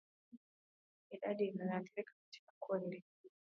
Idadi inayoathirika katika kundi